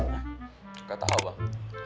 gak tahu bang